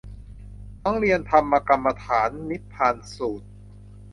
ทั้งเรียนธรรมกรรมฐานนิพพานสูตร